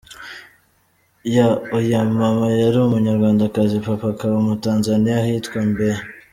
Y: Oya, mama yari Umunyarwandakazi, Papa akaba Umutanzaniya ahitwa Mbeya.